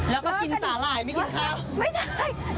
แล้วก็กินสาหร่ายไม่กินข้าว